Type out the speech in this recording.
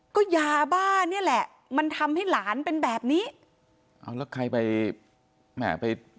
ก็ยาบ้านี่แหละมันทำให้หลานเป็นแบบนี้เอาแล้วใครไปแหม่ไป